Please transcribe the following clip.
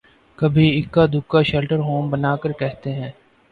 کبھی اکا دکا شیلٹر ہوم بنا کر کہتے ہیں۔